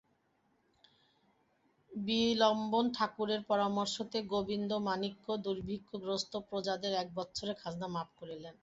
বিল্বন ঠাকুরের পরামর্শমতে গোবিন্দমাণিক্য দুর্ভিক্ষগ্রস্ত প্রজাদের এক বৎসরের খাজনা মাপ করিলেন।